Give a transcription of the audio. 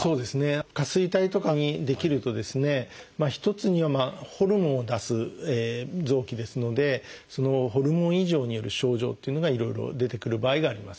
下垂体とかに出来るとですね一つにはホルモンを出す臓器ですのでホルモン異常による症状っていうのがいろいろ出てくる場合があります。